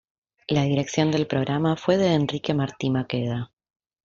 La Dirección del programa fue de Enrique Martí Maqueda.